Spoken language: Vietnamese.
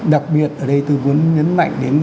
đặc biệt ở đây tôi muốn nhấn mạnh đến